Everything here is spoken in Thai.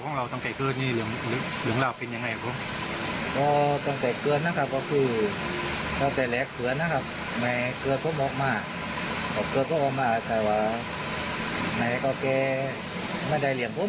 ข้อทางละว่าคันนี้ไหมบุษธรรมเฒ้าได้ราวให้ฟังบ้างมั้ง